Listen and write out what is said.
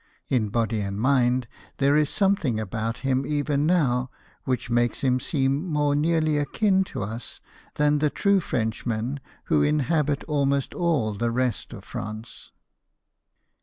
In body and mind, there is some thing about him even now which makes him secim more nearly akin to us than the true Frenchmen who inhabit almost all the rest of France.